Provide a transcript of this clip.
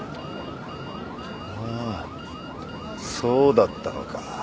ああそうだったのか。